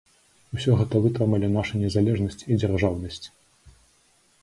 Усё гэта вытрымалі наша незалежнасць і дзяржаўнасць.